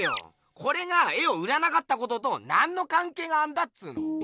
これが絵を売らなかったことと何のかんけいがあんだっつーの！